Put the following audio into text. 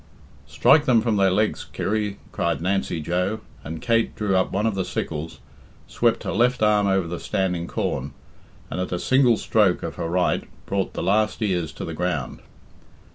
"Strike them from their legs, Kirry," cried Nancy Joe, and Kate drew up one of the sickles, swept her left arm over the standing corn, and at a single stroke of her right brought the last ears to the ground.